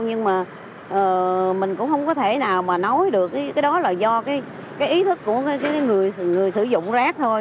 nhưng mà mình cũng không có thể nào mà nói được cái đó là do cái ý thức của người sử dụng rác thôi